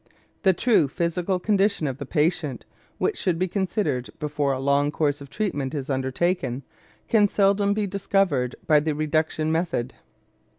The true physical condition of the patient, which should be considered before a long course of treatment is undertaken, can seldom be discovered by the reduction method.